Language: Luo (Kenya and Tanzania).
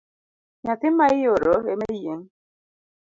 Nyathi maioro emayieng’